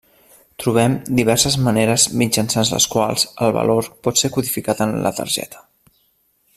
Trobem diverses maneres mitjançant les quals el valor pot ser codificat en la targeta.